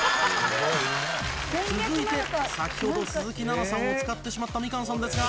続いて先ほど鈴木奈々さんを使ってしまったみかんさんですが。